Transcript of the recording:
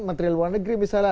menteri luar negeri misalnya